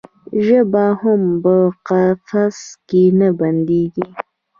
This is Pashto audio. ژبه هم په قفس کې نه بندیږي.